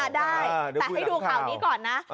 ได้แต่ให้ดูข่าวนี้ก่อนนะ